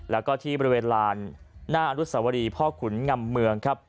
แล้วก็ที่บริเวณลานหน้าอนุสวรีพ่อขุนงำเมืองครับ